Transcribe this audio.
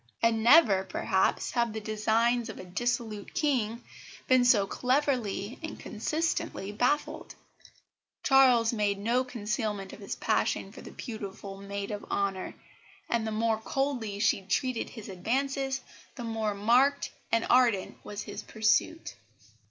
And never, perhaps, have the designs of a dissolute King been so cleverly and consistently baffled. Charles made no concealment of his passion for the beautiful maid of honour, and the more coldly she treated his advances, the more marked and ardent was his pursuit.